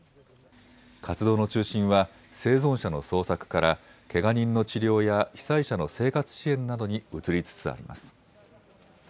活動の中心は生存者の捜索からけが人の治療や被災者の生活支援などに移りつつあります。